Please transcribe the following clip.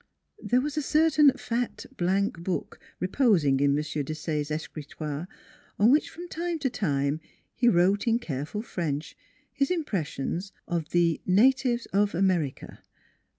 There was a certain fat, blank book reposing in M. Desaye's escritoire in which from time to time he wrote in careful French his impressions of " The Natives of America."